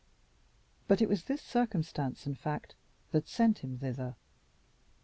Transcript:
But it was this circumstance, in fact, that sent him thither.